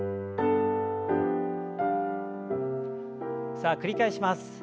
さあ繰り返します。